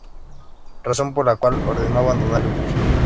Razón por la cual, ordenó abandonar el buque.